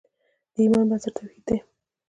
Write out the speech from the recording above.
د ایمان بنسټ توحید دی.